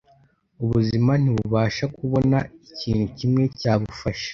Ubuzima ntibubasha kubona ikintu na kimwe cyabufasha